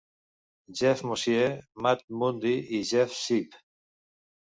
Jeff Mosier, Matt Mundy i Jeff Sipe.